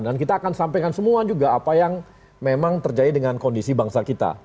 dan kita akan sampaikan semua juga apa yang memang terjadi dengan kondisi bangsa kita